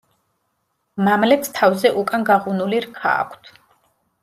მამლებს თავზე უკან გაღუნული რქა აქვთ.